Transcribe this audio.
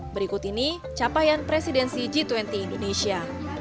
berikut ini capaian presidensi g dua puluh indonesia